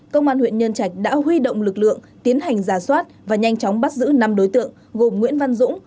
công an huyện nhân trạch đã huy động lực lượng tiến hành giả soát và nhanh chóng bắt giữ năm đối tượng gồm nguyễn văn dũng